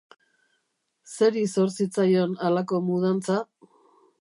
Zeri zor zitzaion halako mudantza?